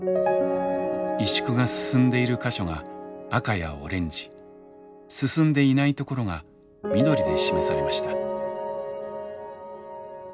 萎縮が進んでいる箇所が赤やオレンジ進んでいないところが緑で示されました。